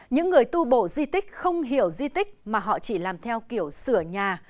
những người tu bổ di tích không hiểu di tích mà họ chỉ làm theo kiểu sửa nhà